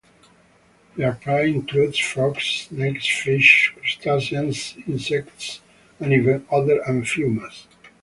Their prey includes frogs, snakes, fish, crustaceans, insects and even other amphiumas.